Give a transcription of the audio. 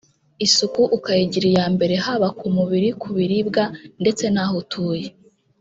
isuku ukayigira iya mbere haba ku mu biri ku biribwa ndetse n’aho utuye